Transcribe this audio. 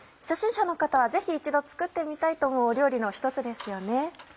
初心者の方はぜひ一度作ってみたいと思うお料理のひとつですよね。